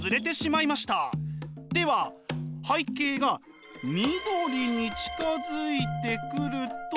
では背景が緑に近づいてくると。